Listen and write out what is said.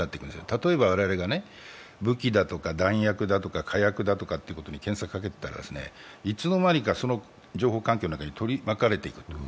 例えば、我々が武器だとか弾薬だとか火薬に検索かけてたらいつの間にかその情報環境の中に取り巻かれていく。